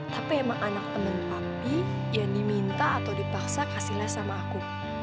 tapi emang anak temen papi yang diminta atau dipaksa kasih les sama aku